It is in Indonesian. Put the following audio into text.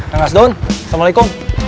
kang kasnun assalamualaikum